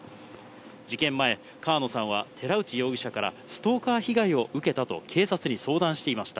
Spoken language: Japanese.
事件前、川野さんは寺内容疑者からストーカー被害を受けたと警察に相談していました。